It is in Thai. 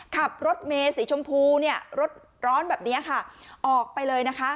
ขับรถเมฆสีชมพูรถร้อนแบบนี้ออกไปเลยนะคะ